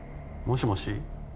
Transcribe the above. もしもし？